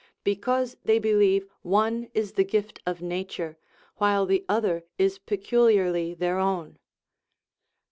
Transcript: Because they believe one is the gift of Nature, Avhile the other is peculiarly their own.